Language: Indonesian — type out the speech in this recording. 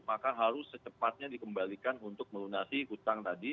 maka harus secepatnya dikembalikan untuk melunasi hutang tadi